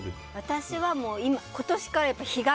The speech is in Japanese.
私は今年から日傘。